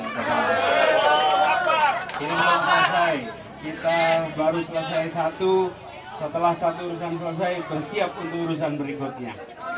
ini mengatakan kita baru selesai satu setelah satu urusan selesai bersiap untuk urusan berikutnya